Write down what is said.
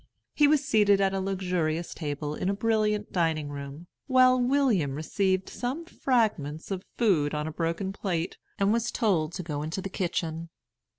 He was seated at a luxurious table in a brilliant dining room, while William received some fragments of food on a broken plate, and was told to go into the kitchen.